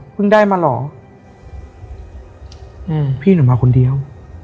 เพิ่งได้มาหรออืมพี่หนูมาคนเดียว